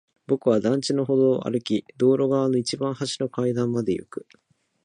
僕は団地の歩道を歩き、道路側の一番端の階段まで行く。